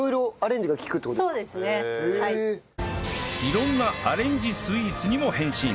色んなアレンジスイーツにも変身